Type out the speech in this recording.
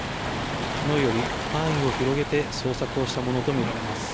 昨日より範囲を広げて捜索をしたものとみられます。